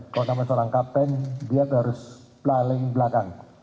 kalau namanya seorang kapten dia harus peliling belakang